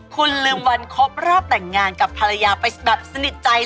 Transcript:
คุณลืมวันครบรอบแต่งงานกับภรรยาไปแบบสนิทใจ